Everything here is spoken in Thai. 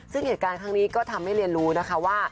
ซึ่งเหตุการณ์ครั้งนี้ก็ทำให้เรียนรู้นะคะว่า